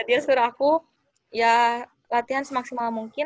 dia setor aku ya latihan semaksimal mungkin